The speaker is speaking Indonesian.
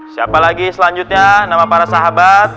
siapa lagi selanjutnya nama para sahabat